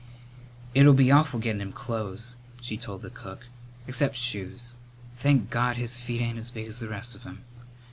"It'll be awful gettin' him clothes," she told the cook; "except shoes. Thank God, his feet ain't as big as the rest of him!